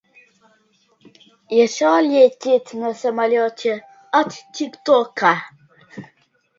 Это тем более важно ввиду сложностей с мобилизацией международных ресурсов.